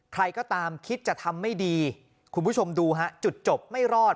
ใครก็ตามคิดจะทำไม่ดีคุณผู้ชมดูฮะจุดจบไม่รอด